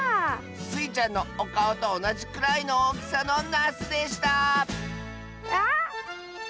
スイちゃんのおかおとおなじくらいのおおきさのなすでしたあまってましたトマト！